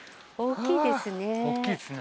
大きいですね。